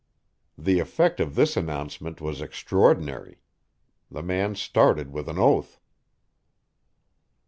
The effect of this announcement was extraordinary. The man started with an oath.